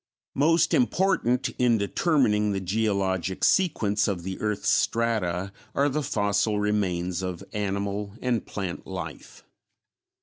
Most important in determining the geologic sequence of the earth's strata are the fossil remains of animal and plant life.